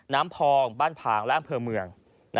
น้ำพองบ้านผางและอำเภอเมือง